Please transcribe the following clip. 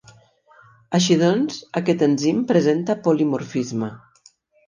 Així doncs, aquest enzim presenta polimorfisme.